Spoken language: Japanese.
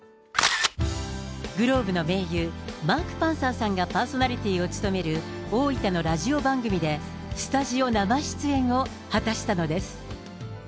ｇｌｏｂｅの盟友、マーク・パンサーさんがパーソナリティーを務める大分のラジオ番組で、スタジオ生出演を果たしたのです。